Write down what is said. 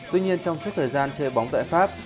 tuy nhiên trong suốt thời gian chơi bóng tại pháp